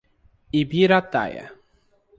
Ibirataia